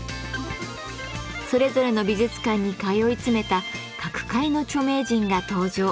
それぞれの美術館に通い詰めた各界の著名人が登場。